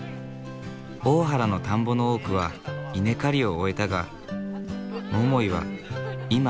大原の田んぼの多くは稲刈りを終えたが百井は今まさに収穫の時。